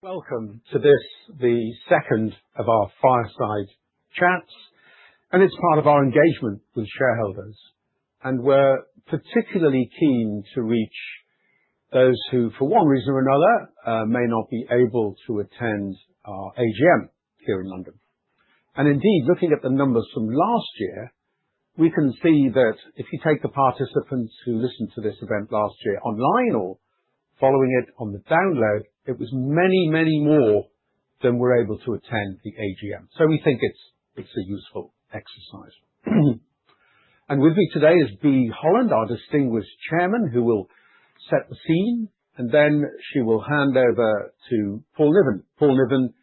Welcome to this, the second of our fireside chats, and it is part of our engagement with shareholders. We are particularly keen to reach those who, for one reason or another, may not be able to attend our AGM here in London. Indeed, looking at the numbers from last year, we can see that if you take the participants who listened to this event last year online or following it on the download, it was many, many more than were able to attend the AGM. We think it is a useful exercise. With me today is Bea Hollond, our distinguished Chairman, who will set the scene, and then she will hand over to Paul Niven. Paul Niven,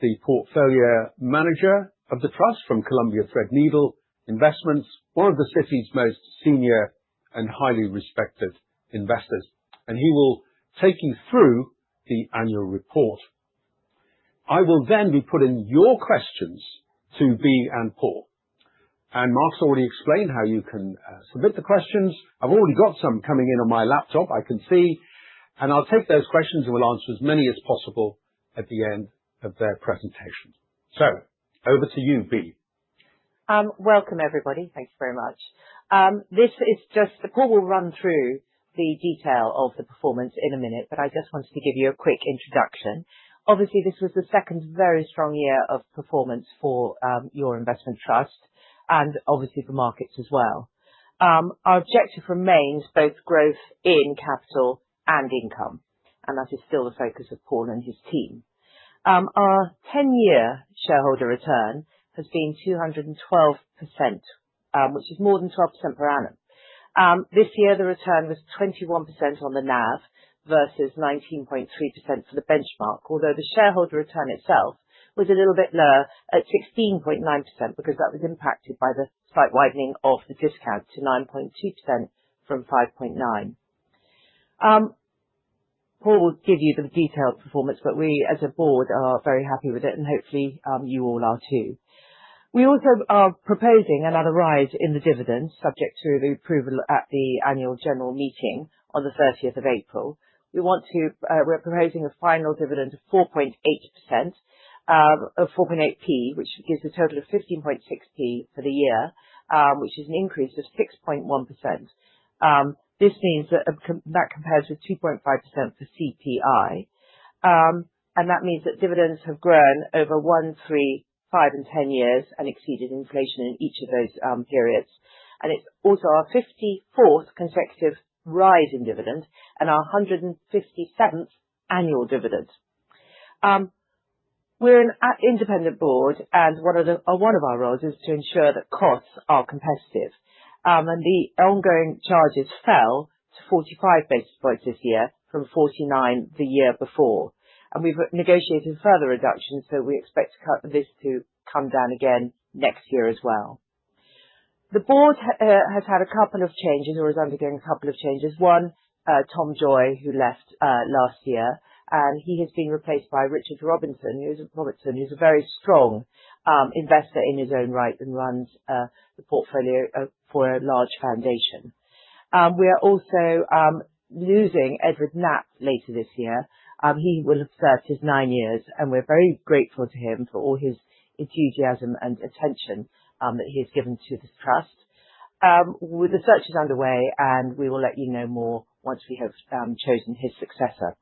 the Portfolio Manager of the Trust from Columbia Threadneedle Investments, one of the city's most senior and highly respected investors. He will take you through the annual report. I will then be putting your questions to Bea and Paul. Mark's already explained how you can submit the questions. I've already got some coming in on my laptop, I can see. I'll take those questions and we'll answer as many as possible at the end of their presentation. Over to you, Bea. Welcome, everybody. Thank you very much. This is just, Paul will run through the detail of the performance in a minute, but I just wanted to give you a quick introduction. Obviously, this was the second very strong year of performance for your Investment Trust, and obviously for markets as well. Our objective remains both growth in capital and income, and that is still the focus of Paul and his team. Our 10-year shareholder return has been 212%, which is more than 12% per annum. This year, the return was 21% on the NAV versus 19.3% for the benchmark, although the shareholder return itself was a little bit lower at 16.9% because that was impacted by the slight widening of the discount to 9.2% from 5.9%. Paul will give you the detailed performance, but we, as a board, are very happy with it, and hopefully you all are too. We also are proposing another rise in the dividends, subject to the approval at the annual general meeting on the 30th of April. We want to, we're proposing a final dividend of 0.048, which gives a total of 0.156 for the year, which is an increase of 6.1%. This means that that compares with 2.5% for CPI. That means that dividends have grown over one, three, five, and ten years and exceeded inflation in each of those periods. It is also our 54th consecutive rise in dividend and our 157th annual dividend. We are an independent board, and one of our roles is to ensure that costs are competitive. The ongoing charges fell to 45 basis points this year from 49 the year before. We have negotiated further reductions, so we expect this to come down again next year as well. The board has had a couple of changes or is undergoing a couple of changes. One, Tom Joy, who left last year, and he has been replaced by Richard Robinson, who's a very strong investor in his own right and runs the portfolio for a large foundation. We are also losing Edward Knapp later this year. He will have served his nine years, and we're very grateful to him for all his enthusiasm and attention that he has given to this Trust. The search is underway, and we will let you know more once we have chosen his successor.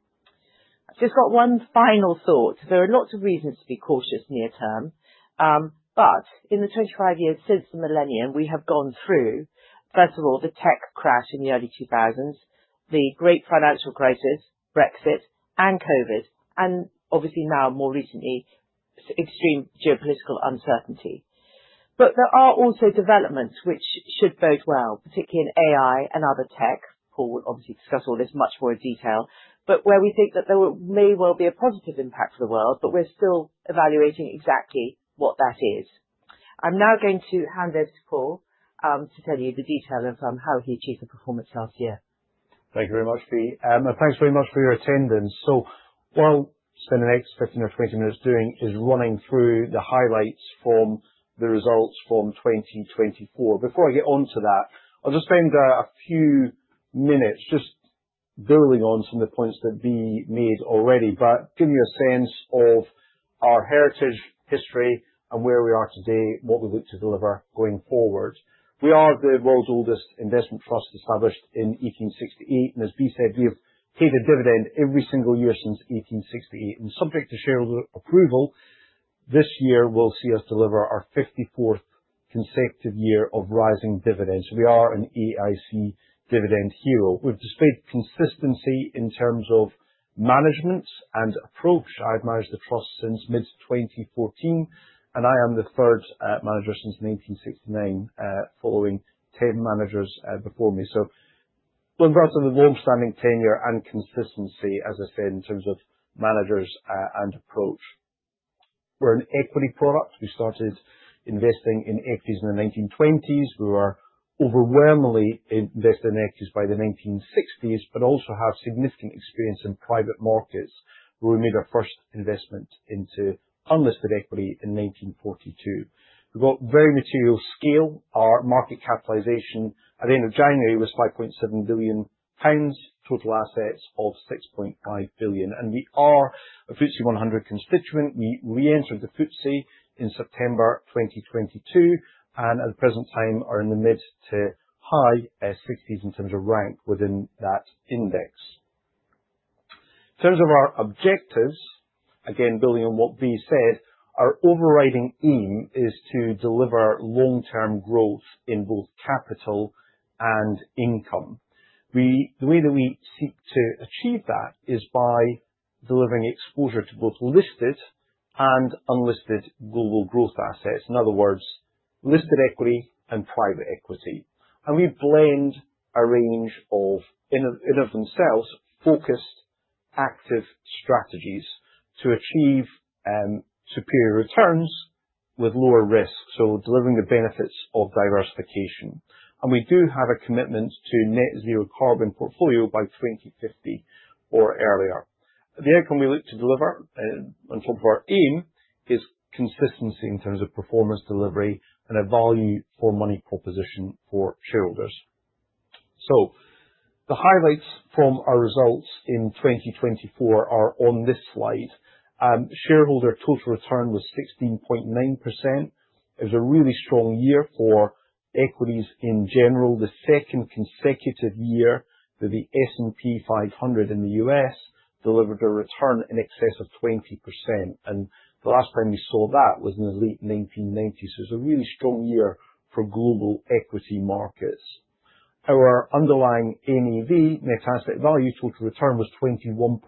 I've just got one final thought. There are lots of reasons to be cautious near term, but in the 25 years since the millennium, we have gone through, first of all, the tech crash in the early 2000s, the great financial crisis, Brexit, and COVID, and obviously now, more recently, extreme geopolitical uncertainty. There are also developments which should bode well, particularly in AI and other tech. Paul will obviously discuss all this much more in detail, but where we think that there may well be a positive impact for the world, but we're still evaluating exactly what that is. I'm now going to hand over to Paul to tell you the detail of how he achieved the performance last year. Thank you very much, Bea. Thanks very much for your attendance. What I'll spend the next 15 or 20 minutes doing is running through the highlights from the results from 2024. Before I get on to that, I'll just spend a few minutes just building on some of the points that Bea made already, but give you a sense of our heritage, history, and where we are today, what we look to deliver going forward. We are the world's oldest Investment Trust established in 1868. As Bea said, we've paid a dividend every single year since 1868. Subject to shareholder approval, this year will see us deliver our 54th consecutive year of rising dividends. We are an AIC Dividend Hero. We've displayed consistency in terms of management and approach. I've managed the Trust since mid-2014, and I am the third manager since 1969, following 10 managers before me. Congrats on the long-standing tenure and consistency, as I said, in terms of managers and approach. We're an equity product. We started investing in equities in the 1920s. We were overwhelmingly invested in equities by the 1960s, but also have significant experience in private markets, where we made our first investment into unlisted equity in 1942. We've got very material scale. Our market capitalization at the end of January was GBP 5.7 billion, total assets of GBP 6.5 billion. We are a FTSE 100 constituent. We re-entered the FTSE in September 2022, and at the present time are in the mid to high 60s in terms of rank within that index. In terms of our objectives, again, building on what Bea said, our overriding aim is to deliver long-term growth in both capital and income. The way that we seek to achieve that is by delivering exposure to both listed and unlisted global growth assets, in other words, listed equity and private equity. We blend a range of, in and of themselves, focused active strategies to achieve superior returns with lower risk, delivering the benefits of diversification. We do have a commitment to a net zero carbon portfolio by 2050 or earlier. The outcome we look to deliver on top of our aim is consistency in terms of performance delivery and a value for money proposition for shareholders. The highlights from our results in 2024 are on this slide. Shareholder total return was 16.9%. It was a really strong year for equities in general, the second consecutive year that the S&P 500 in the U.S. delivered a return in excess of 20%. The last time we saw that was in the late 1990s. It was a really strong year for global equity markets. Our underlying NAV, net asset value total return, was 21%.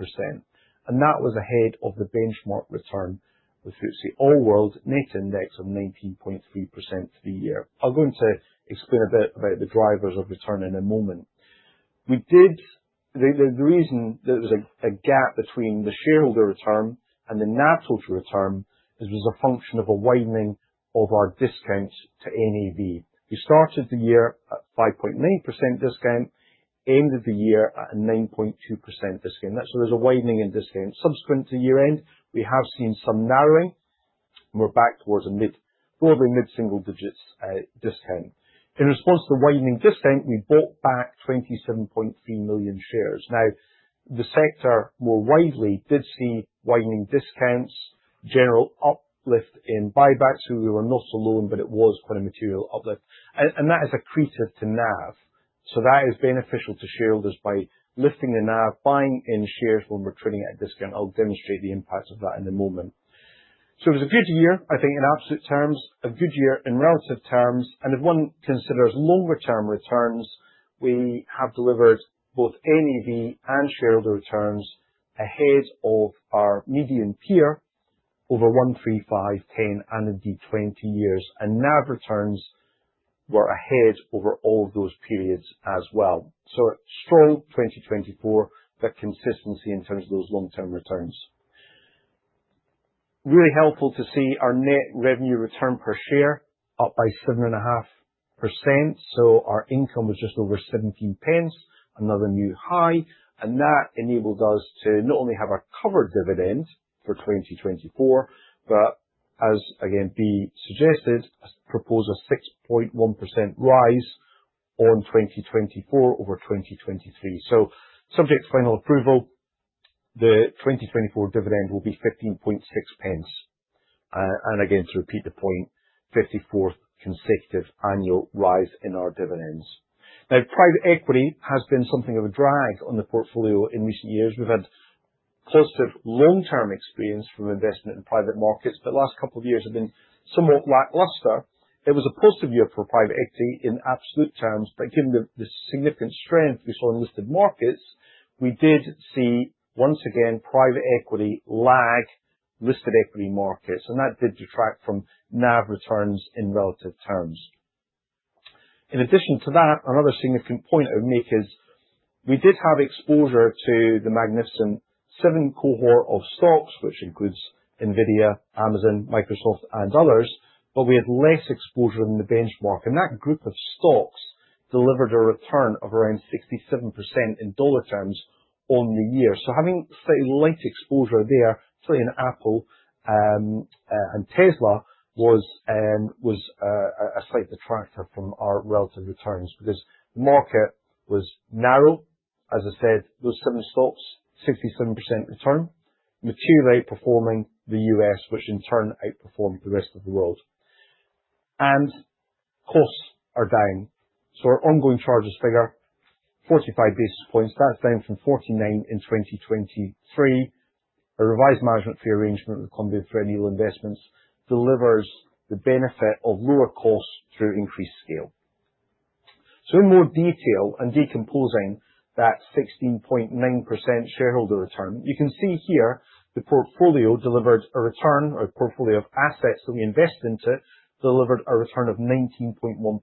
That was ahead of the benchmark return of the FTSE All-World Net Index of 19.3% for the year. I'll go into explain a bit about the drivers of return in a moment. The reason that there was a gap between the shareholder return and the NAV total return was a function of a widening of our discounts to NAV. We started the year at a 5.9% discount, ended the year at a 9.2% discount. There is a widening in discounts. Subsequent to year-end, we have seen some narrowing. We're back towards a broadly mid-single digits discount. In response to the widening discount, we bought back 27.3 million shares. Now, the sector more widely did see widening discounts, general uplift in buybacks. We were not alone, but it was quite a material uplift. That is accretive to NAV. That is beneficial to shareholders by lifting the NAV, buying in shares when we're trading at a discount. I'll demonstrate the impact of that in a moment. It was a good year, I think, in absolute terms, a good year in relative terms. If one considers longer-term returns, we have delivered both NAV and shareholder returns ahead of our median peer over 1, 3, 5, 10, and indeed 20 years. NAV returns were ahead over all of those periods as well. Strong 2024, but consistency in terms of those long-term returns. Really helpful to see our net revenue return per share up by 7.5%. Our income was just over 0.17, another new high. That enabled us to not only have a covered dividend for 2024, but as Bea suggested, propose a 6.1% rise on 2024 over 2023. Subject to final approval, the 2024 dividend will be 0.156. To repeat the point, 54th consecutive annual rise in our dividends. Private equity has been something of a drag on the portfolio in recent years. We have had positive long-term experience from investment in private markets, but the last couple of years have been somewhat lackluster. It was a positive year for private equity in absolute terms, but given the significant strength we saw in listed markets, we did see once again private equity lag listed equity markets. That did detract from NAV returns in relative terms. In addition to that, another significant point I would make is we did have exposure to the Magnificent Seven cohort of stocks, which includes NVIDIA, Amazon, Microsoft, and others, but we had less exposure than the benchmark. That group of stocks delivered a return of around 67% in dollar terms on the year. Having slightly light exposure there, particularly in Apple and Tesla, was a slight detractor from our relative returns because the market was narrow. As I said, those seven stocks, 67% return, materially outperforming the U.S., which in turn outperformed the rest of the world. Costs are declining. Our ongoing charges figure is 45 basis points. That is down from 49 basis points in 2023. A revised management fee arrangement with Columbia Threadneedle Investments delivers the benefit of lower costs through increased scale. In more detail, in decomposing that 16.9% shareholder return, you can see here the portfolio delivered a return or portfolio of assets that we invest into delivered a return of 19.1%.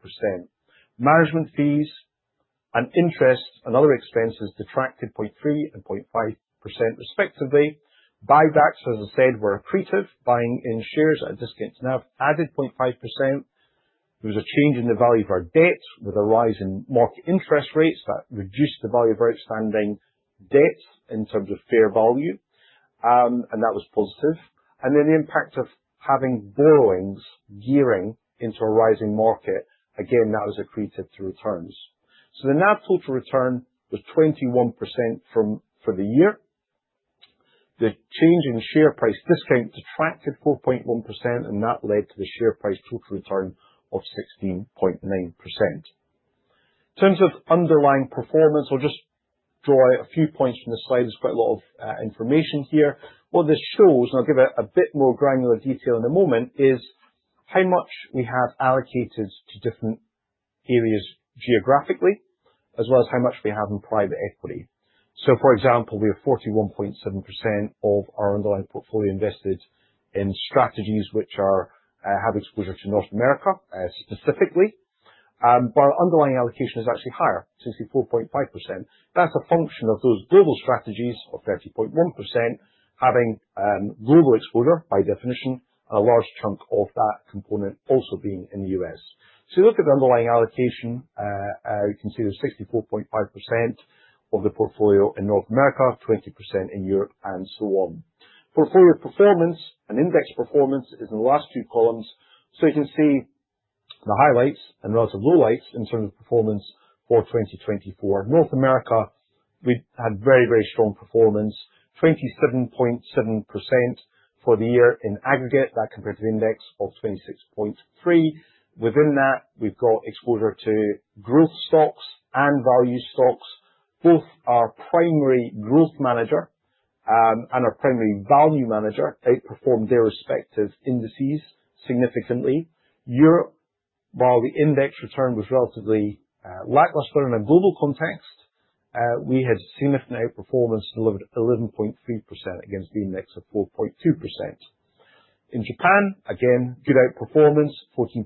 Management fees and interest and other expenses detracted 0.3% and 0.5% respectively. Buybacks, as I said, were accretive, buying in shares at a discount to NAV added 0.5%. There was a change in the value of our debt with a rise in market interest rates that reduced the value of outstanding debt in terms of fair value. That was positive. The impact of having borrowings gearing into a rising market, again, that was accretive to returns. The NAV total return was 21% for the year. The change in share price discount detracted 4.1%, and that led to the share price total return of 16.9%. In terms of underlying performance, I'll just draw out a few points from this slide. There's quite a lot of information here. What this shows, and I'll give it a bit more granular detail in a moment, is how much we have allocated to different areas geographically, as well as how much we have in private equity. For example, we have 41.7% of our underlying portfolio invested in strategies which have exposure to North America specifically. Our underlying allocation is actually higher, 64.5%. That is a function of those global strategies of 30.1%, having global exposure by definition, and a large chunk of that component also being in the U.S. You look at the underlying allocation, you can see there is 64.5% of the portfolio in North America, 20% in Europe, and so on. Portfolio performance and index performance is in the last two columns. You can see the highlights and relative lowlights in terms of performance for 2024. North America, we had very, very strong performance, 27.7% for the year in aggregate. That compared to the index of 26.3%. Within that, we have got exposure to growth stocks and value stocks. Both our primary growth manager and our primary value manager outperformed their respective indices significantly. Europe, while the index return was relatively lackluster in a global context, we had significant outperformance and delivered 11.3% against the index of 4.2%. In Japan, again, good outperformance, 14.9%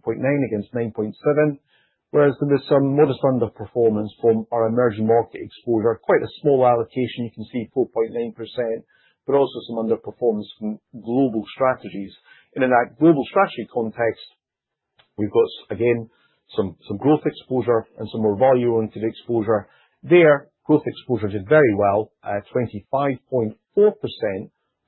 against 9.7%, whereas there was some modest underperformance from our emerging market exposure. Quite a small allocation. You can see 4.9%, but also some underperformance from global strategies. In that global strategy context, we have got, again, some growth exposure and some more value-oriented exposure. There, growth exposure did very well, 25.4%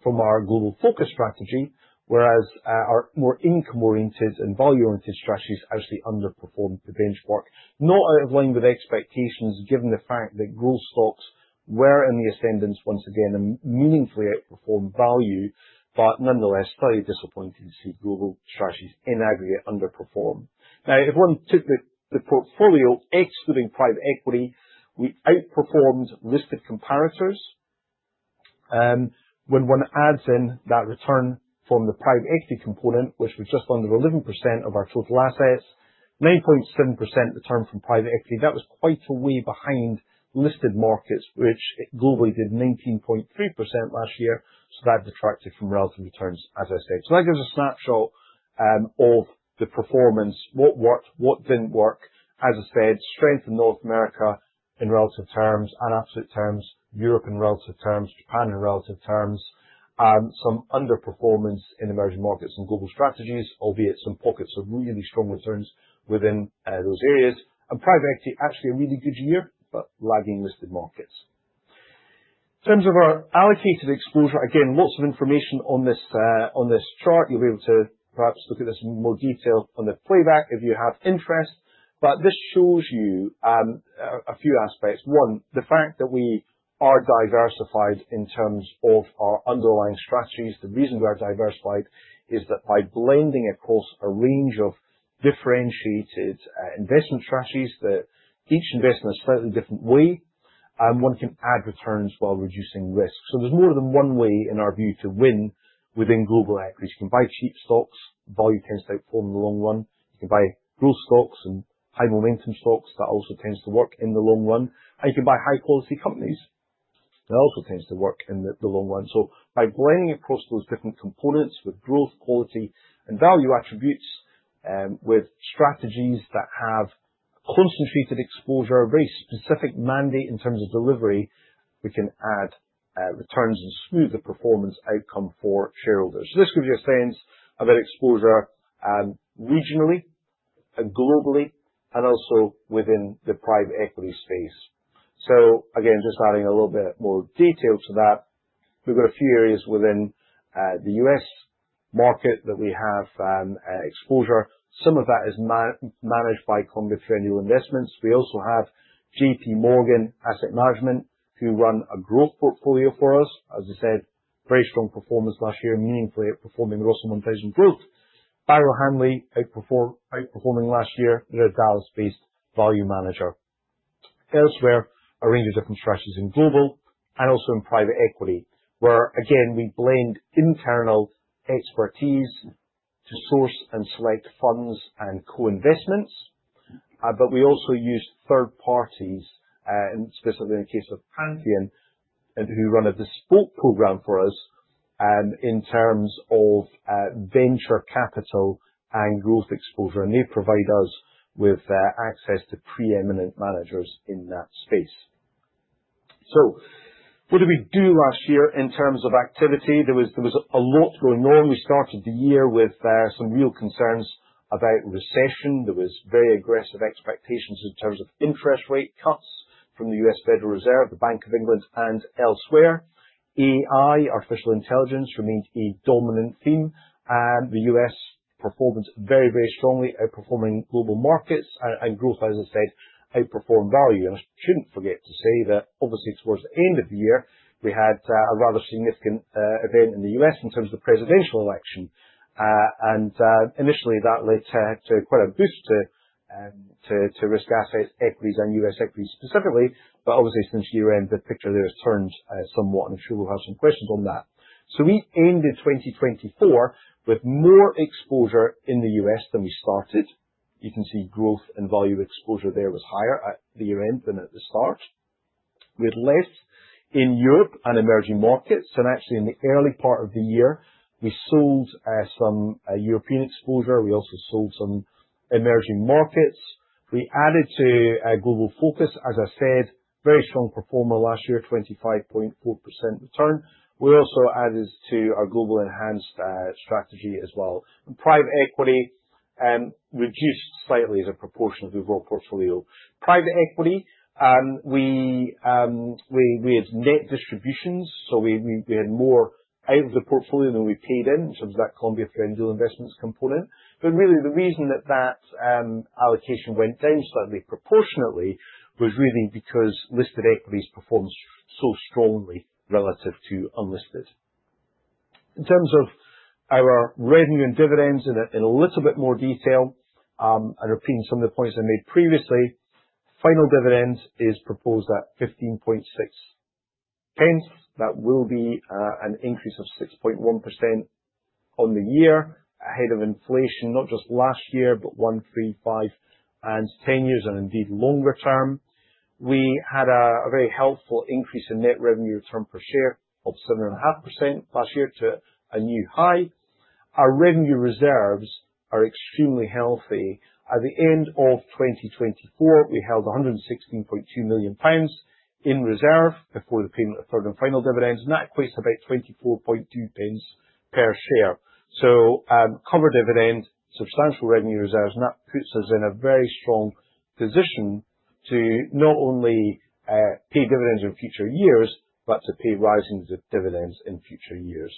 from our Global Focus strategy, whereas our more income-oriented and value-oriented strategies actually underperformed the benchmark. Not out of line with expectations, given the fact that growth stocks were in the ascendance once again and meaningfully outperformed value, but nonetheless, slightly disappointing to see global strategies in aggregate underperform. Now, if one took the portfolio excluding private equity, we outperformed listed comparators. When one adds in that return from the private equity component, which was just under 11% of our total assets, 9.7% return from private equity, that was quite a way behind listed markets, which globally did 19.3% last year. That detracted from relative returns, as I said. That gives a snapshot of the performance, what worked, what did not work. As I said, strength in North America in relative terms, in absolute terms, Europe in relative terms, Japan in relative terms, some underperformance in emerging markets and global strategies, albeit some pockets of really strong returns within those areas. Private equity, actually a really good year, but lagging listed markets. In terms of our allocated exposure, again, lots of information on this chart. You'll be able to perhaps look at this in more detail on the playback if you have interest. This shows you a few aspects. One, the fact that we are diversified in terms of our underlying strategies. The reason we are diversified is that by blending across a range of differentiated investment strategies, each investment a slightly different way, one can add returns while reducing risk. There is more than one way in our view to win within global equities. You can buy cheap stocks. Value tends to outperform in the long run. You can buy growth stocks and high momentum stocks. That also tends to work in the long run. You can buy high-quality companies. That also tends to work in the long run. By blending across those different components with growth, quality, and value attributes, with strategies that have concentrated exposure, a very specific mandate in terms of delivery, we can add returns and smooth the performance outcome for shareholders. This gives you a sense of that exposure regionally and globally, and also within the private equity space. Again, just adding a little bit more detail to that, we've got a few areas within the US market that we have exposure. Some of that is managed by Columbia Threadneedle Investments. We also have J.P. Morgan Asset Management, who run a growth portfolio for us. As I said, very strong performance last year, meaningfully outperforming the Russell 1000 Growth. Barrow Hanley outperforming last year. They're a Dallas-based value manager. Elsewhere, a range of different strategies in global and also in private equity, where, again, we blend internal expertise to source and select funds and co-investments. We also use third parties, specifically in the case of Pantheon, who run a bespoke program for us in terms of venture capital and growth exposure. They provide us with access to preeminent managers in that space. What did we do last year in terms of activity? There was a lot going on. We started the year with some real concerns about recession. There were very aggressive expectations in terms of interest rate cuts from the U.S. Federal Reserve, the Bank of England, and elsewhere. AI, artificial intelligence, remained a dominant theme. The U.S. performed very, very strongly, outperforming global markets. Growth, as I said, outperformed value. I should not forget to say that, obviously, towards the end of the year, we had a rather significant event in the U.S. in terms of the presidential election. Initially, that led to quite a boost to risk assets, equities, and U.S. equities specifically. Obviously, since year-end, the picture there has turned somewhat. I am sure we will have some questions on that. We ended 2024 with more exposure in the U.S. than we started. You can see growth and value exposure there was higher at the year-end than at the start. We had less in Europe and emerging markets. Actually, in the early part of the year, we sold some European exposure. We also sold some emerging markets. We added to Global Focus, as I said, very strong performer last year, 25.4% return. We also added to our Global Enhanced strategy as well. Private equity reduced slightly as a proportion of the overall portfolio. Private equity, we had net distributions. We had more out of the portfolio than we paid in in terms of that Columbia Threadneedle Investments component. Really, the reason that that allocation went down slightly proportionately was really because listed equities performed so strongly relative to unlisted. In terms of our revenue and dividends in a little bit more detail, and repeating some of the points I made previously, final dividend is proposed at 0.156. That will be an increase of 6.1% on the year ahead of inflation, not just last year, but one, three, five, and ten years, and indeed longer term. We had a very helpful increase in net revenue return per share of 7.5% last year to a new high. Our revenue reserves are extremely healthy. At the end of 2024, we held 116.2 million pounds in reserve before the payment of third and final dividends. That equates to about 24.2 pence per share. Cover dividend, substantial revenue reserves. That puts us in a very strong position to not only pay dividends in future years, but to pay rising dividends in future years.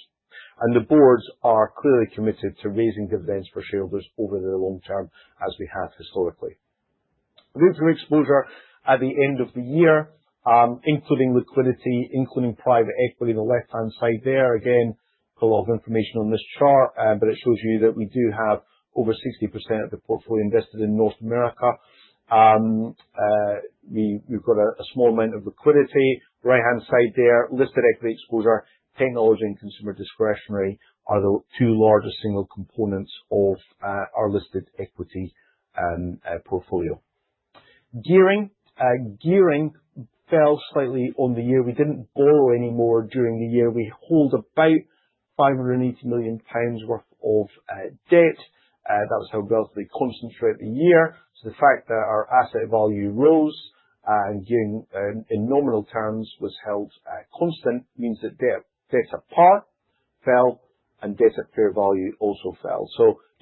The boards are clearly committed to raising dividends for shareholders over the long term as we have historically. We went through exposure at the end of the year, including liquidity, including private equity on the left-hand side there. Again, a lot of information on this chart, but it shows you that we do have over 60% of the portfolio invested in North America. We've got a small amount of liquidity. Right-hand side there, listed equity exposure, technology, and consumer discretionary are the two largest single components of our listed equity portfolio. Gearing fell slightly on the year. We didn't borrow any more during the year. We hold about 580 million pounds worth of debt. That was held relatively constant throughout the year. The fact that our asset value rose and gearing in nominal terms was held constant means that debts at par fell and debts at fair value also fell.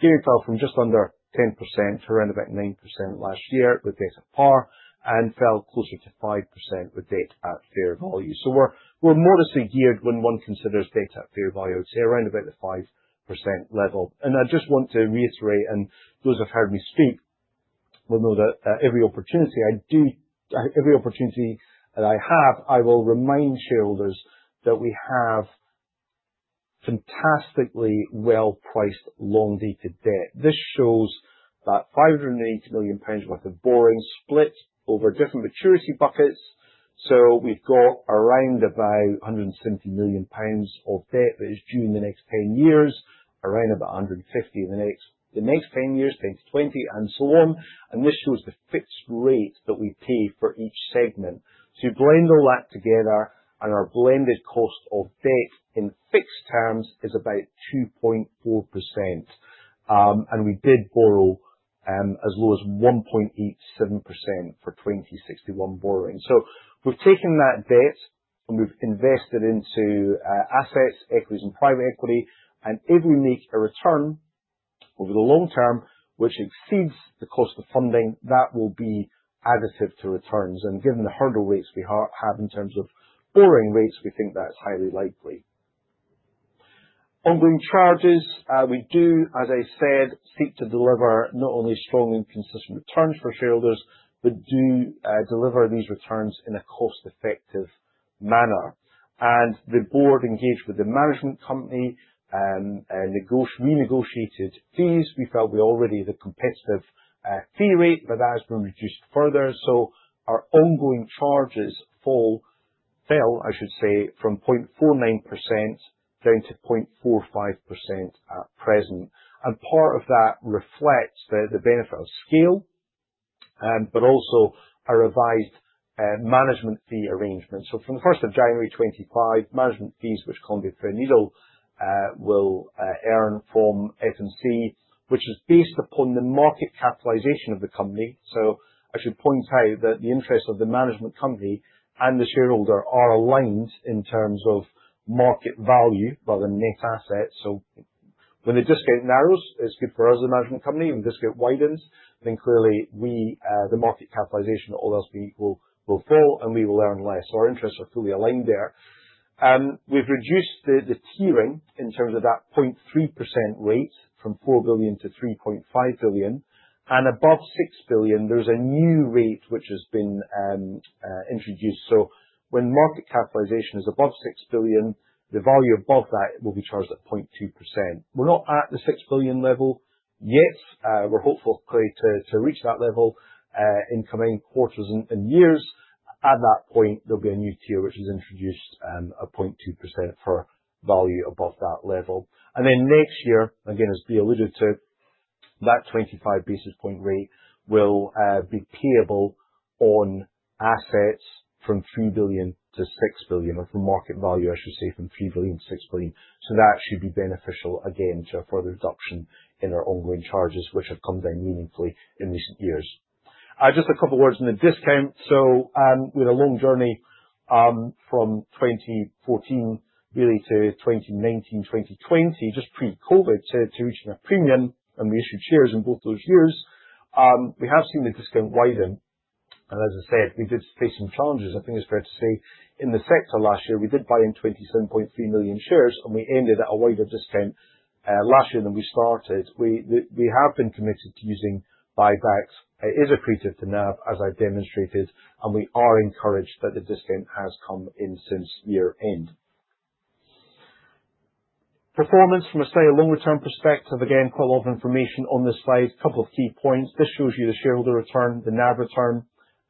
Gearing fell from just under 10% to around about 9% last year with debts at par and fell closer to 5% with debt at fair value. We're modestly geared when one considers debts at fair value, I'd say around about the 5% level. I just want to reiterate, and those who have heard me speak will know that every opportunity I do, every opportunity that I have, I will remind shareholders that we have fantastically well-priced long-dated debt. This shows that 580 million pounds worth of borrowing split over different maturity buckets. We have around about 170 million pounds of debt that is due in the next 10 years, around about 150 million in the next 10 years, 2020, and so on. This shows the fixed rate that we pay for each segment. You blend all that together, and our blended cost of debt in fixed terms is about 2.4%. We did borrow as low as 1.87% for 2061 borrowing. We have taken that debt, and we have invested into assets, equities, and private equity. If we make a return over the long term, which exceeds the cost of funding, that will be additive to returns. Given the hurdle rates we have in terms of borrowing rates, we think that's highly likely. Ongoing charges, we do, as I said, seek to deliver not only strong and consistent returns for shareholders, but do deliver these returns in a cost-effective manner. The board engaged with the management company and renegotiated fees. We felt we already had a competitive fee rate, but that has been reduced further. Our ongoing charges fell, I should say, from 0.49% down to 0.45% at present. Part of that reflects the benefit of scale, but also a revised management fee arrangement. From January 1, 2025, management fees, which Columbia Threadneedle will earn from F&C Investment Trust, will be based upon the market capitalization of the company. I should point out that the interests of the management company and the shareholder are aligned in terms of market value, rather than net assets. When the discount narrows, it's good for us as a management company. When the discount widens, then clearly the market capitalization, all else being equal, will fall, and we will earn less. Our interests are fully aligned there. We've reduced the tiering in terms of that 0.3% rate from 4 billion to 3.5 billion. Above 6 billion, there's a new rate which has been introduced. When market capitalization is above 6 billion, the value above that will be charged at 0.2%. We're not at the 6 billion level yet. We're hopeful to reach that level in coming quarters and years. At that point, there will be a new tier which is introduced at 0.2% for value above that level. Next year, again, as Bea alluded to, that 25 basis point rate will be payable on assets from 3 billion-6 billion, or from market value, I should say, from 3 billion-6 billion. That should be beneficial again to a further reduction in our ongoing charges, which have come down meaningfully in recent years. Just a couple of words on the discount. With a long journey from 2014 really to 2019, 2020, just pre-COVID to reaching a premium, and we issued shares in both those years, we have seen the discount widen. As I said, we did face some challenges. I think it is fair to say in the sector last year, we did buy in 27.3 million shares, and we ended at a wider discount last year than we started. We have been committed to using buybacks. It is appreciative to NAV, as I've demonstrated, and we are encouraged that the discount has come in since year-end. Performance from a longer-term perspective, again, quite a lot of information on this slide. A couple of key points. This shows you the shareholder return, the NAV return,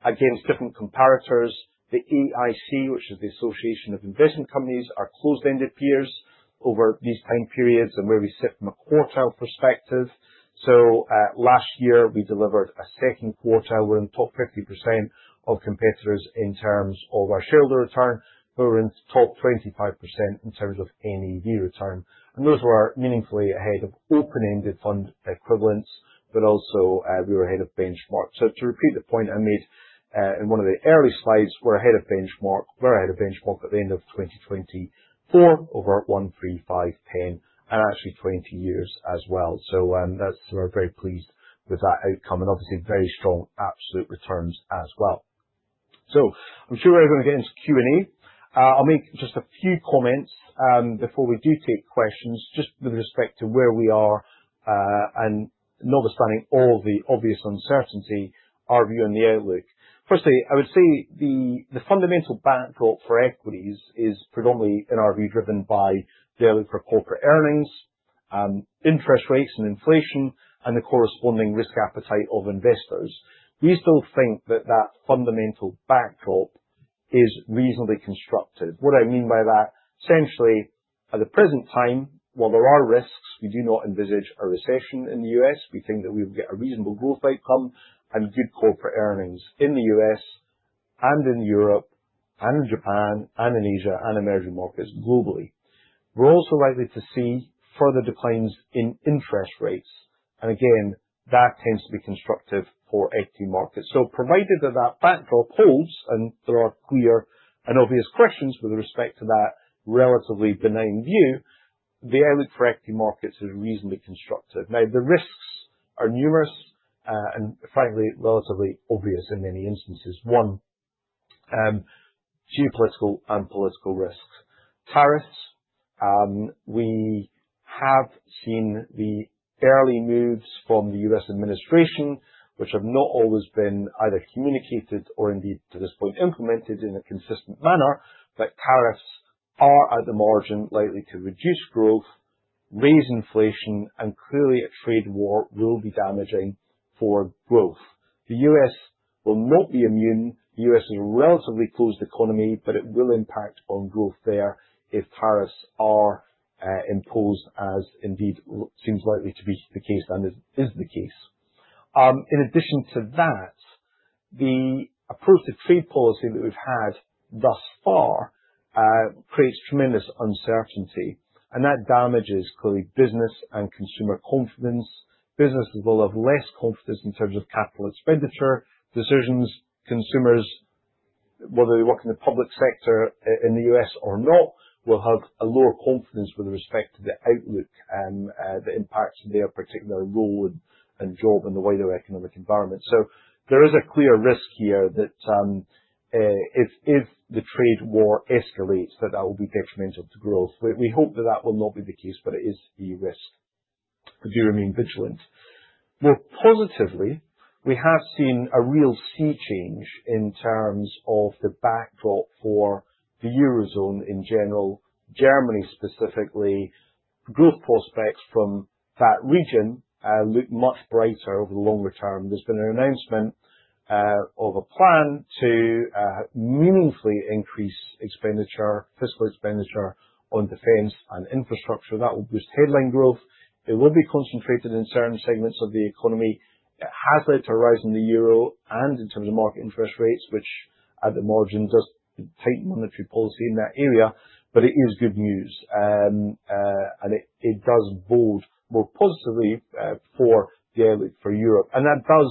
against different comparators. The AIC, which is the Association of Investment Companies, our closed-ended peers over these time periods and where we sit from a quartile perspective. Last year, we delivered a second quartile. We're in the top 50% of competitors in terms of our shareholder return. We're in the top 25% in terms of NAV return. Those were meaningfully ahead of open-ended fund equivalents, but also we were ahead of benchmark. To repeat the point I made in one of the early slides, we're ahead of benchmark. We're ahead of benchmark at the end of 2024 over one, three, five, ten, and actually twenty years as well. We are very pleased with that outcome and obviously very strong absolute returns as well. I'm sure we're going to get into Q&A. I'll make just a few comments before we do take questions, just with respect to where we are and notwithstanding all the obvious uncertainty our view on the outlook. Firstly, I would say the fundamental backdrop for equities is predominantly, in our view, driven by the outlook for corporate earnings, interest rates, and inflation, and the corresponding risk appetite of investors. We still think that that fundamental backdrop is reasonably constructed. What I mean by that, essentially, at the present time, while there are risks, we do not envisage a recession in the U.S. We think that we will get a reasonable growth outcome and good corporate earnings in the U.S. and in Europe and in Japan and in Asia and emerging markets globally. We are also likely to see further declines in interest rates. That tends to be constructive for equity markets. Provided that that backdrop holds and there are clear and obvious questions with respect to that relatively benign view, the outlook for equity markets is reasonably constructive. The risks are numerous and frankly relatively obvious in many instances. One, geopolitical and political risks. Tariffs. We have seen the early moves from the U.S. administration, which have not always been either communicated or indeed to this point implemented in a consistent manner, but tariffs are at the margin likely to reduce growth, raise inflation, and clearly a trade war will be damaging for growth. The U.S. will not be immune. The U.S. is a relatively closed economy, but it will impact on growth there if tariffs are imposed, as indeed seems likely to be the case and is the case. In addition to that, the approach to trade policy that we've had thus far creates tremendous uncertainty. That damages clearly business and consumer confidence. Businesses will have less confidence in terms of capital expenditure decisions. Consumers, whether they work in the public sector in the U.S. or not, will have a lower confidence with respect to the outlook, the impacts of their particular role and job and the wider economic environment. There is a clear risk here that if the trade war escalates, that that will be detrimental to growth. We hope that that will not be the case, but it is the risk. We do remain vigilant. More positively, we have seen a real sea change in terms of the backdrop for the Eurozone in general, Germany specifically. Growth prospects from that region look much brighter over the longer term. There has been an announcement of a plan to meaningfully increase expenditure, fiscal expenditure on defense and infrastructure. That will boost headline growth. It will be concentrated in certain segments of the economy. It has led to a rise in the euro and in terms of market interest rates, which at the margin does tighten monetary policy in that area, but it is good news. It does bode more positively for the outlook for Europe. That does,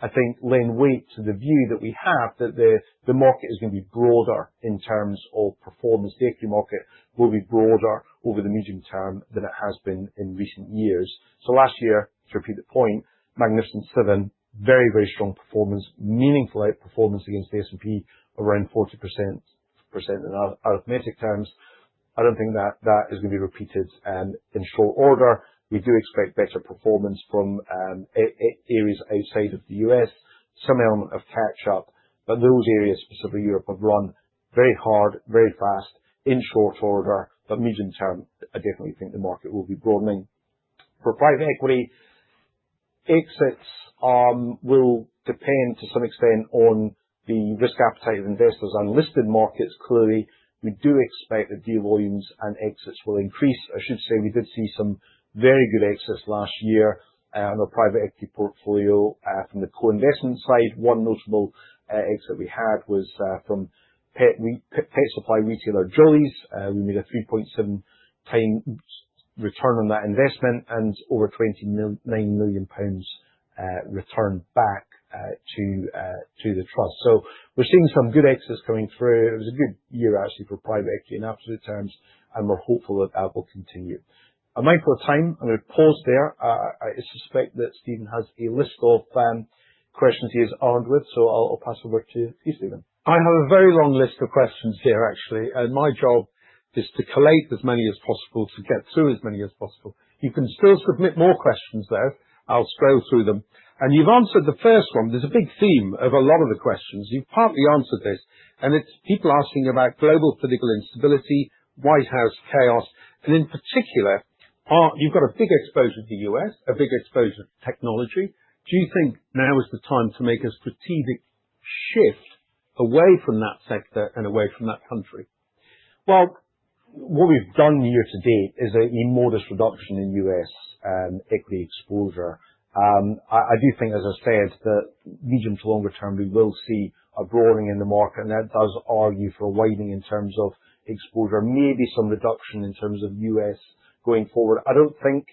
I think, lend weight to the view that we have that the market is going to be broader in terms of performance. The equity market will be broader over the medium term than it has been in recent years. Last year, to repeat the point, Magnificent Seven, very, very strong performance, meaningful outperformance against the S&P around 40% in arithmetic terms. I do not think that that is going to be repeated in short order. We do expect better performance from areas outside of the U.S., some element of catch-up. Those areas, specifically Europe, have run very hard, very fast in short order. Medium term, I definitely think the market will be broadening. For private equity, exits will depend to some extent on the risk appetite of investors and listed markets. Clearly, we do expect that deal volumes and exits will increase. I should say we did see some very good exits last year on our private equity portfolio from the co-investment side. One notable exit we had was from pet supply retailer Jollyes. We made a 3.7 times return on that investment and over 29 million pounds returned back to the Trust. We are seeing some good exits coming through. It was a good year, actually, for private equity in absolute terms, and we are hopeful that that will continue. I am mindful of time. I am going to pause there. I suspect that Steven has a list of questions he is armed with, so I will pass over to you, Steven. I have a very long list of questions here, actually. My job is to collate as many as possible to get through as many as possible. You can still submit more questions there. I will scroll through them. You have answered the first one. There is a big theme of a lot of the questions. You have partly answered this. It is people asking about global political instability, White House chaos. In particular, you've got a big exposure to the U.S., a big exposure to technology. Do you think now is the time to make a strategic shift away from that sector and away from that country? What we've done year to date is an enormous reduction in U.S. equity exposure. I do think, as I said, that medium to longer term, we will see a broadening in the market. That does argue for a widening in terms of exposure, maybe some reduction in terms of U.S. going forward. I don't think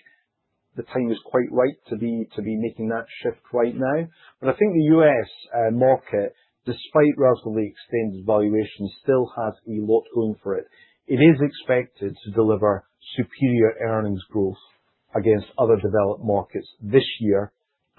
the time is quite right to be making that shift right now. I think the U.S. market, despite relatively extended valuation, still has a lot going for it. It is expected to deliver superior earnings growth against other developed markets this year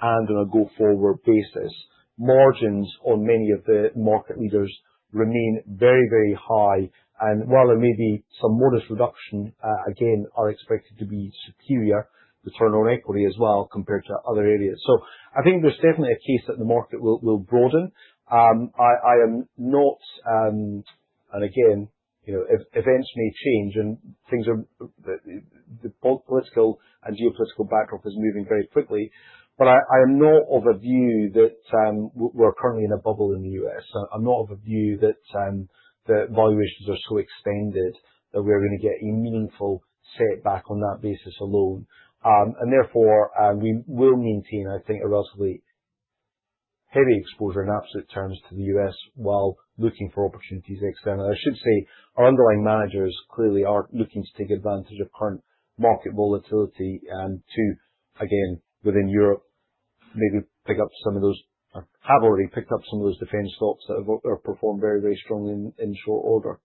and on a go-forward basis. Margins on many of the market leaders remain very, very high. While there may be some modest reduction, again, are expected to be superior return on equity as well compared to other areas. I think there is definitely a case that the market will broaden. I am not, and again, events may change and things are the political and geopolitical backdrop is moving very quickly. I am not of a view that we are currently in a bubble in the U.S. I am not of a view that the valuations are so extended that we are going to get a meaningful setback on that basis alone. Therefore, we will maintain, I think, a relatively heavy exposure in absolute terms to the U.S. while looking for opportunities externally. I should say our underlying managers clearly are looking to take advantage of current market volatility to, again, within Europe, maybe pick up some of those or have already picked up some of those defense stocks that have performed very, very strongly in short order.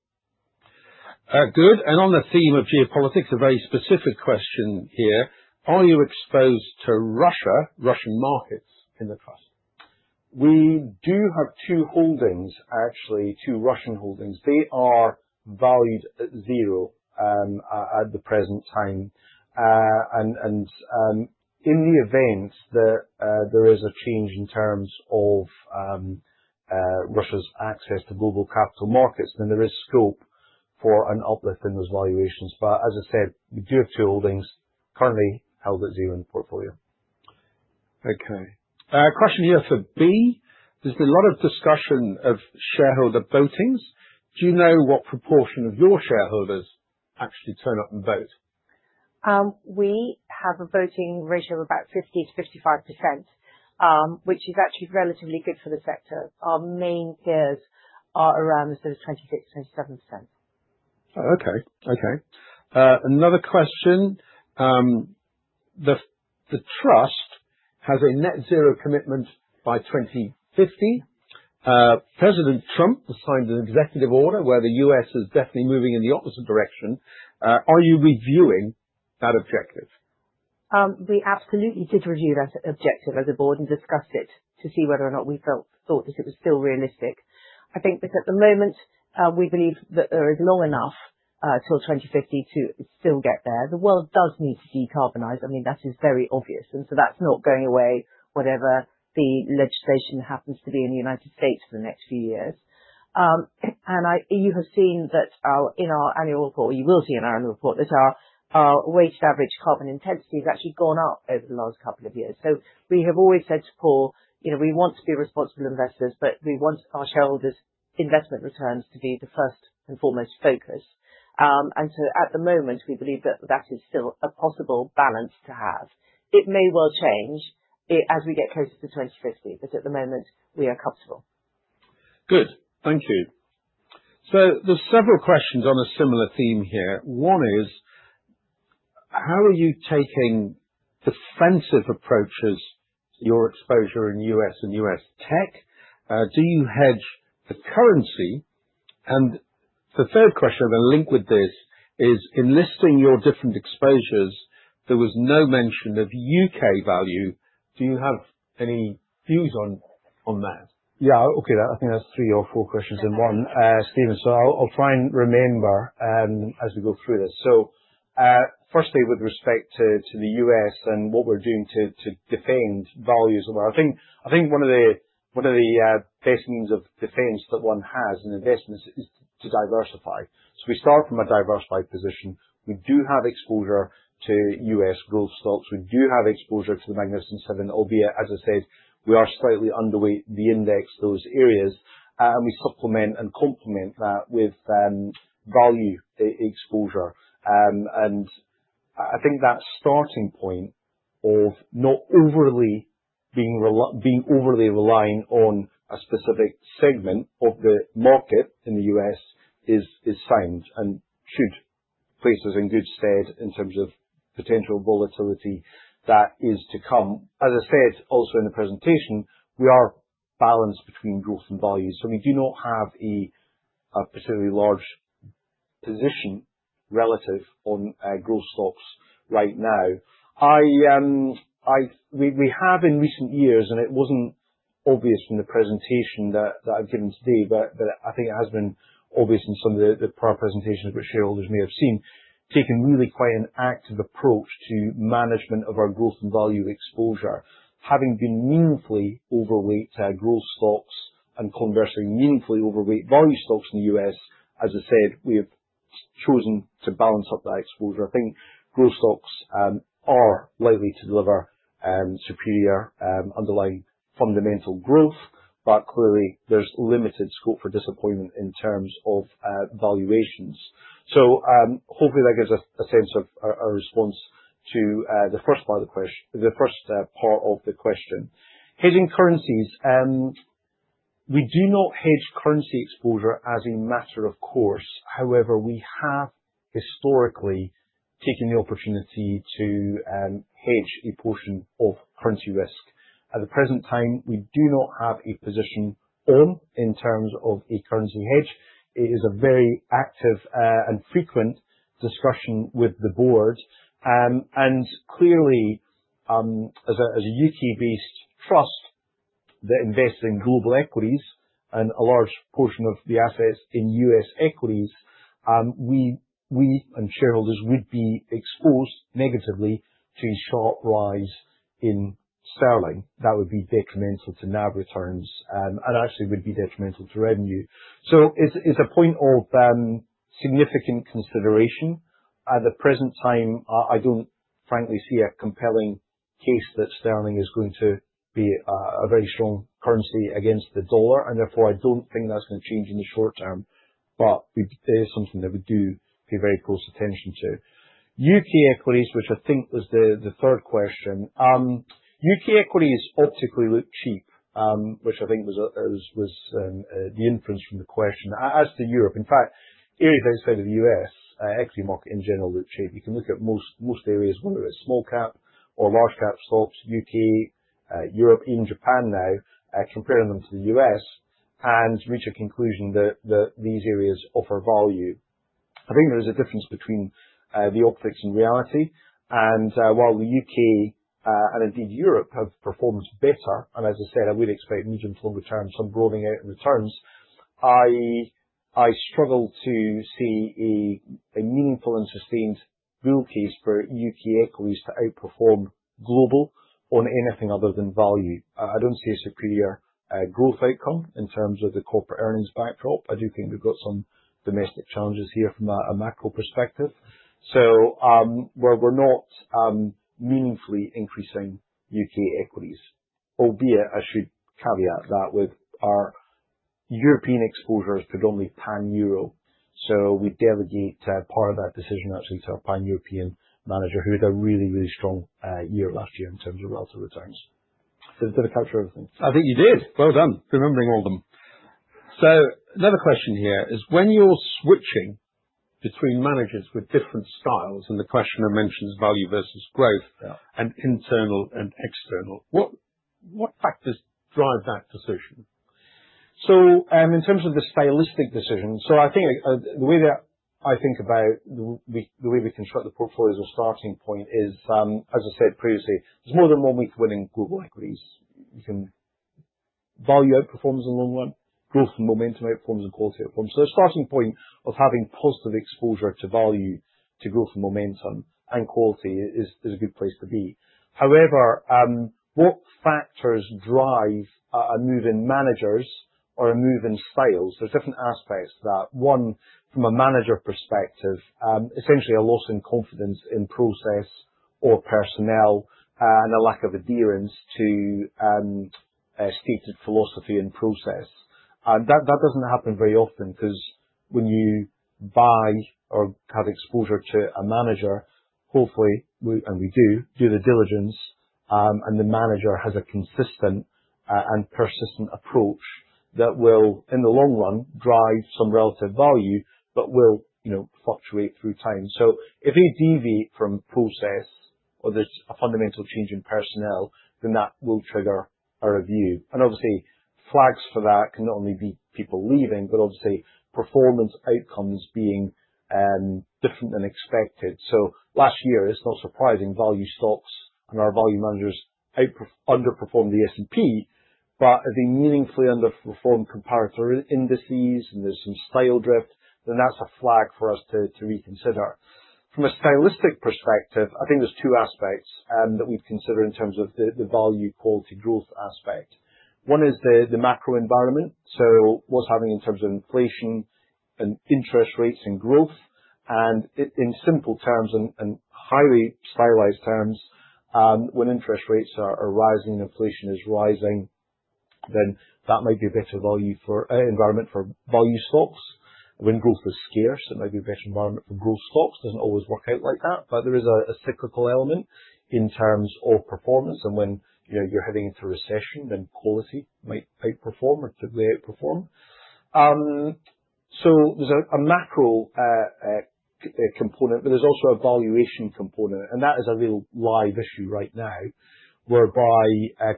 Good. On the theme of geopolitics, a very specific question here. Are you exposed to Russia, Russian markets in the Trust? We do have two holdings, actually, two Russian holdings. They are valued at zero at the present time. In the event that there is a change in terms of Russia's access to global capital markets, there is scope for an uplift in those valuations. As I said, we do have two holdings currently held at zero in the portfolio. Okay. Question here for Bea. There has been a lot of discussion of shareholder votings. Do you know what proportion of your shareholders actually turn up and vote? We have a voting ratio of about 50-55%, which is actually relatively good for the sector. Our main peers are around as good as 26-27%. Okay. Okay. Another question. The Trust has a net zero commitment by 2050. President Trump has signed an executive order where the U.S. is definitely moving in the opposite direction. Are you reviewing that objective? We absolutely did review that objective as a board and discussed it to see whether or not we felt thought that it was still realistic. I think that at the moment, we believe that there is long enough till 2050 to still get there. The world does need to decarbonise. I mean, that is very obvious. That is not going away, whatever the legislation happens to be in the United States for the next few years. You have seen that in our annual report, or you will see in our annual report, that our weighted average carbon intensity has actually gone up over the last couple of years. We have always said to Paul, we want to be responsible investors, but we want our shareholders' investment returns to be the first and foremost focus. At the moment, we believe that is still a possible balance to have. It may well change as we get closer to 2050, but at the moment, we are comfortable. Good. Thank you. There are several questions on a similar theme here. One is, how are you taking defensive approaches, your exposure in U.S. and U.S. tech? Do you hedge the currency? The third question I'm going to link with this is, in listing your different exposures, there was no mention of U.K. value. Do you have any views on that? Yeah. Okay. I think that's three or four questions in one, Stephen. I'll try and remember as we go through this. Firstly, with respect to the U.S. and what we're doing to defend values of our thing, I think one of the best means of defense that one has in investments is to diversify. We start from a diversified position. We do have exposure to U.S. growth stocks. We do have exposure to the Magnificent Seven, Albeit, as I said, we are slightly underweight the index, those areas. We supplement and complement that with value exposure. I think that starting point of not being overly reliant on a specific segment of the market in the U.S. is sound and should place us in good stead in terms of potential volatility that is to come. As I said also in the presentation, we are balanced between growth and value. We do not have a particularly large position relative on growth stocks right now. We have in recent years, and it was not obvious in the presentation that I have given today, but I think it has been obvious in some of the prior presentations which shareholders may have seen, taken really quite an active approach to management of our growth and value exposure, having been meaningfully overweight growth stocks and conversely, meaningfully overweight value stocks in the U.S. As I said, we have chosen to balance up that exposure. I think growth stocks are likely to deliver superior underlying fundamental growth, but clearly, there's limited scope for disappointment in terms of valuations. Hopefully, that gives a sense of our response to the first part of the question. Hedging currencies. We do not hedge currency exposure as a matter of course. However, we have historically taken the opportunity to hedge a portion of currency risk. At the present time, we do not have a position on in terms of a currency hedge. It is a very active and frequent discussion with the board. Clearly, as a U.K.-based Trust that invests in global equities and a large portion of the assets in U.S. equities, we and shareholders would be exposed negatively to a sharp rise in sterling. That would be detrimental to NAV returns and actually would be detrimental to revenue. It is a point of significant consideration. At the present time, I don't frankly see a compelling case that sterling is going to be a very strong currency against the dollar. Therefore, I don't think that's going to change in the short term, but it is something that we do pay very close attention to. U.K. equities, which I think was the third question. U.K. equities optically look cheap, which I think was the inference from the question. As to Europe, in fact, areas outside of the U.S., equity market in general look cheap. You can look at most areas, whether it's small cap or large cap stocks, U.K., Europe, even Japan now, comparing them to the U.S. and reach a conclusion that these areas offer value. I think there is a difference between the optics and reality. While the U.K. and indeed Europe have performed better, and as I said, I would expect medium to longer term some broadening out in returns, I struggle to see a meaningful and sustained rule case for U.K. equities to outperform global on anything other than value. I do not see a superior growth outcome in terms of the corporate earnings backdrop. I do think we have some domestic challenges here from a macro perspective. We are not meaningfully increasing U.K. equities, albeit I should caveat that with our European exposure is predominantly pan-Euro. We delegate part of that decision actually to our pan-European manager, who had a really, really strong year last year in terms of relative returns. Did I capture everything? I think you did. Well done. Remembering all of them. Another question here is, when you're switching between managers with different styles and the questioner mentions value versus growth and internal and external, what factors drive that decision? In terms of the stylistic decision, I think the way that I think about the way we construct the portfolios as a starting point is, as I said previously, there's more than one way to win in global equities. You can value outperforms in the long run, growth and momentum outperforms and quality outperforms. The starting point of having positive exposure to value, to growth and momentum and quality is a good place to be. However, what factors drive a move in managers or a move in styles? There are different aspects to that. One, from a manager perspective, essentially a loss in confidence in process or personnel and a lack of adherence to stated philosophy and process. That does not happen very often because when you buy or have exposure to a manager, hopefully, and we do, do the diligence, and the manager has a consistent and persistent approach that will, in the long run, drive some relative value, but will fluctuate through time. If they deviate from process or there is a fundamental change in personnel, that will trigger a review. Obviously, flags for that can not only be people leaving, but obviously, performance outcomes being different than expected. Last year, it is not surprising, value stocks and our value managers underperformed the S&P 500, but if they meaningfully underperform comparator indices, and there is some style drift, that is a flag for us to reconsider. From a stylistic perspective, I think there are two aspects that we would consider in terms of the value-quality growth aspect. One is the macro environment. What's happening in terms of inflation and interest rates and growth. In simple terms and highly stylized terms, when interest rates are rising and inflation is rising, then that might be a better environment for value stocks. When growth is scarce, it might be a better environment for growth stocks. It doesn't always work out like that, but there is a cyclical element in terms of performance. When you're heading into recession, then quality might outperform or typically outperform. There is a macro component, but there's also a valuation component. That is a real live issue right now, whereby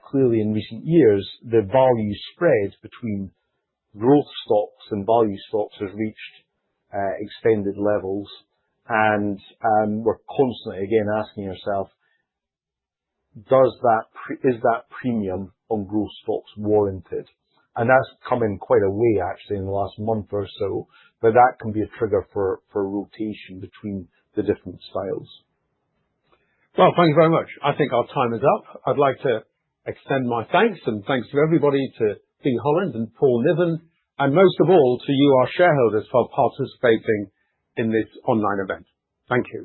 clearly in recent years, the value spread between growth stocks and value stocks has reached extended levels. We're constantly, again, asking ourselves, is that premium on growth stocks warranted? That has come in quite a way, actually, in the last month or so, but that can be a trigger for rotation between the different styles. Thank you very much. I think our time is up. I would like to extend my thanks, and thanks to everybody, to Bea Hollond and Paul Niven, and most of all, to you, our shareholders, for participating in this online event. Thank you.